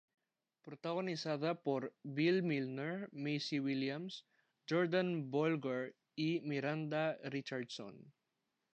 Protagonizada por Bill Milner, Maisie Williams, Jordan Bolger y Miranda Richardson.